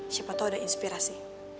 siapa tau ada inspirasi